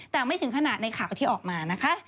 แต่ไม่ถึงขนาดในข่าวที่ออกมานะคะ